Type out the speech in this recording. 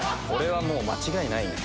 これはもう間違いない。